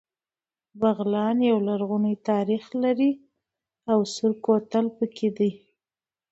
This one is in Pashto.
بغلان يو لرغونی تاریخ لري او سور کوتل پکې دی